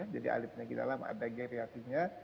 jadi ahli penyakit dalam ada geriatrinya